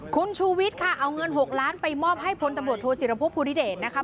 คุณชุวิตค่ะเอาเงินหกล้านไปมอบให้พนธตะโบรตโถจิระพุพธิเดสนะคะ